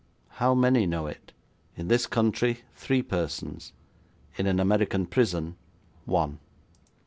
'How many know it?' 'In this country, three persons. In an American prison, one.'